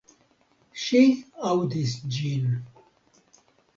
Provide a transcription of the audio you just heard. Ŝi aŭdis ĝin.